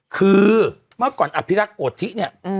คือเมื่อก่อนอภิรักษ์โกธิเนี่ย